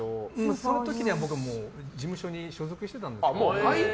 その時には事務所に所属してたんですけど。